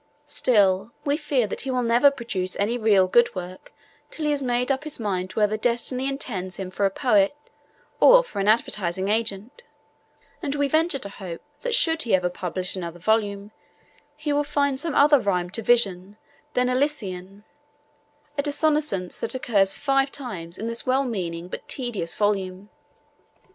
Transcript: Still, we fear that he will never produce any real good work till he has made up his mind whether destiny intends him for a poet or for an advertising agent, and we venture to hope that should he ever publish another volume he will find some other rhyme to 'vision' than 'Elysian,' a dissonance that occurs five times in this well meaning but tedious volume.